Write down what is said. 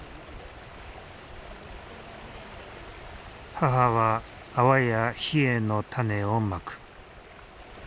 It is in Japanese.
母はアワやヒエの種をまく。